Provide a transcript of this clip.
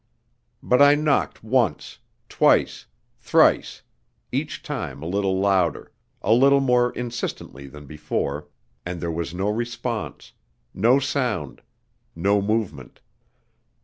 But I knocked once, twice, thrice, each time a little louder, a little more insistently than before, and there was no response, no sound, no movement.